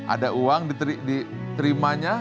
ada uang diterimanya